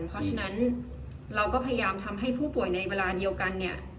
เพราะฉะนั้นเราก็พยายามทำให้ผู้ป่วยในเวลาเดียวกันเนี่ย